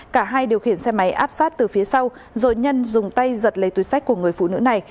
cả hai điều khiển xe máy áp sát từ phía sau rồi nhân dùng tay giật lấy túi sách của người phụ nữ này